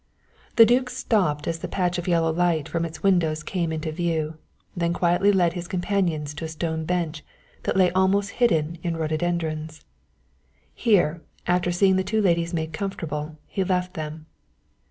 The duke stopped as the patch of yellow light from its windows came into view, then quietly led his companions to a stone bench that lay almost hidden in rhododendrons. Here, after seeing the two ladies made comfortable, he left them.